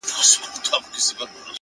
هوښیار انتخاب اوږدمهاله ګټه لري!